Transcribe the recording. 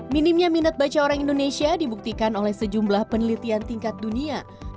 minimnya minat baca orang indonesia dibuktikan oleh sejumlah penelitian tingkat dunia